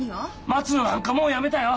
待つのなんかもうやめたよ！